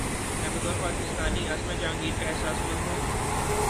میں بطور پاکستانی عاصمہ جہانگیر کا احساس مند ہوں۔